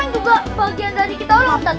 juga bagian dari kita